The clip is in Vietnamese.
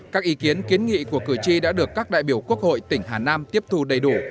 các ý kiến kiến nghị của cử tri đã được các đại biểu quốc hội tỉnh hà nam tiếp thu đầy đủ